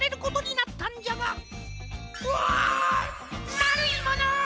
まるいもの！